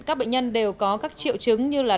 các bệnh nhân đều có các triệu chứng như là